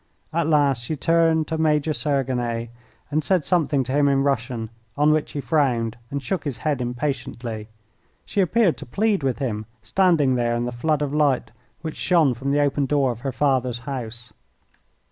At last she turned to Major Sergine and said something to him in Russian, on which he frowned and shook his head impatiently. She appeared to plead with him, standing there in the flood of light which shone from the open door of her father's house.